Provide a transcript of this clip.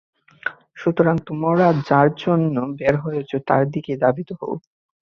সুতরাং তোমরা যার জন্য বের হয়েছে তার দিকেই ধাবিত হও।